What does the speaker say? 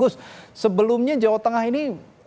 sebelumnya jawa tengah ini